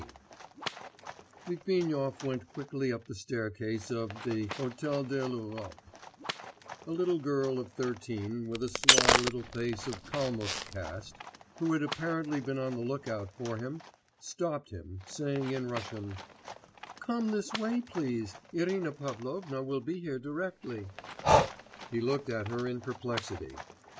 XIX Litvinov went quickly up the staircase of the Hôtel de l'Europe; a little girl of thirteen, with a sly little face of Kalmuck cast, who had apparently been on the look out for him, stopped him, saying in Russian: 'Come this way, please; Irina Pavlovna will be here directly.' He looked at her in perplexity.